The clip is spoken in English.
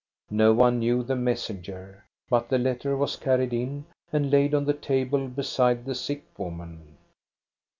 No one knew the mes senger, but the letter was carried in and laid on the table beside the sick woman.